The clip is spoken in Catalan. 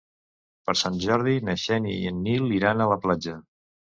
Per Sant Jordi na Xènia i en Nil iran a la platja.